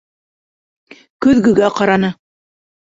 Көҙгөгә ҡараны.